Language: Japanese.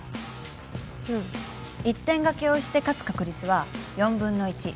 １点賭けをして勝つ確率は４分の１。